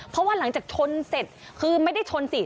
เพราะว่าหลังจากชนเสร็จคือไม่ได้ชนสิ